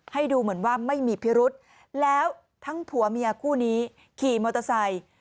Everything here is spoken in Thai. ให้ดูเหมือนว่าไม่มีพิรุษแล้วทั้งผัวเมียคู่นี้ขี่มอเตอร์ไซค์